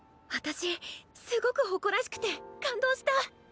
私すごく誇らしくて感動した！